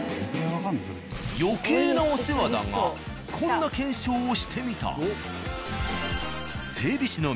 余計なお世話だがこんな検証をしてみた。